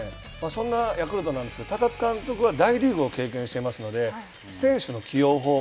そんなヤクルトなんですけれども高津監督は大リーグを経験してますので選手の起用法